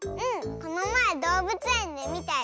このまえどうぶつえんでみたよ！